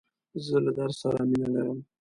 زه له درس سره مینه لرم.